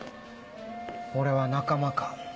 俺は仲間か。